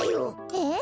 えっ？